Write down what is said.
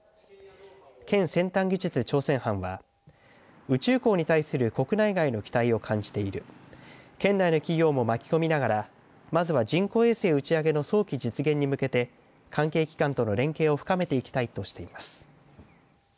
県先端技術挑戦班は宇宙港に対する国内外の期待を感じている県内の企業も巻き込みながらまずは人工衛星打ち上げの早期の実現に向けて関係機関との連携を深めていきたいとしています。